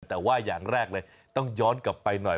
แต่ว่าอย่างแรกเลยต้องย้อนกลับไปหน่อย